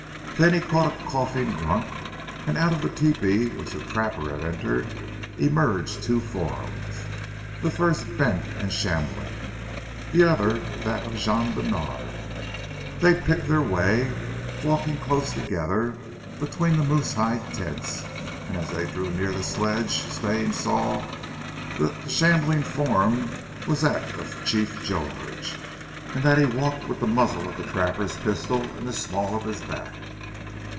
Then he caught a coughing grunt, and out of the tepee which the trapper had entered, emerged two forms, the first bent and shambling, the other that of Jean Bènard. They picked their way, walking close together, between the moose hide tents, and as they drew near the sledge, Stane saw that the shambling form was that of Chief George, and that he walked with the muzzle of the trapper's pistol in the small of his back.